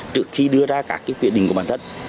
trước khi đưa ra các quyết định của bản thân